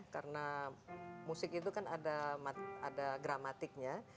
karena musik itu kan ada gramatiknya